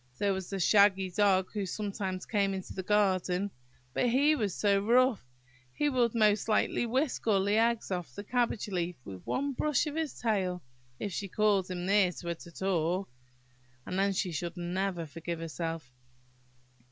There was the shaggy Dog who sometimes came into the garden. But he was so rough!–he would most likely whisk all the eggs off the cabbage leaf with one brush of his tail, if she called him near to talk to her, and then she should never forgive herself.